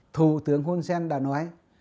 thủ tướng hun sen đã nói